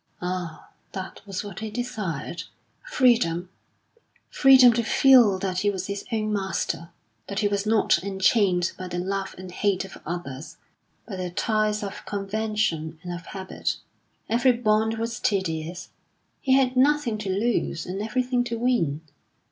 Ah, that was what he desired, freedom freedom to feel that he was his own master; that he was not enchained by the love and hate of others, by the ties of convention and of habit. Every bond was tedious. He had nothing to lose, and everything to win.